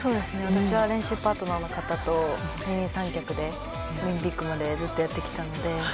私は練習パートナーの方と二人三脚でオリンピックまでずっとやってきたので。